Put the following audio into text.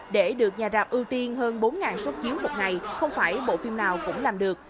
để được nhà rạp ưu tiên hơn bốn xuất chiếu một ngày không phải bộ phim nào cũng làm được